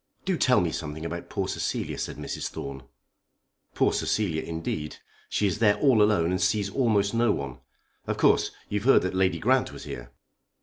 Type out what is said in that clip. "Do tell me something about poor Cecilia," said Mrs. Thorne. "Poor Cecilia, indeed! She is there all alone and sees almost no one. Of course you've heard that Lady Grant was here."